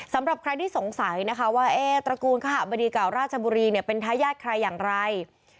สำหรับใครที่สงสัยนะคะว่าตระกูลคบดีเก่าราชบุรีเป็นทายาทใครอย่างไร